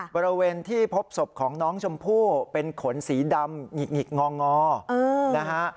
บริเวณที่พบศพของน้องชมพู่เป็นขนสีดำหงิกงองอนะฮะ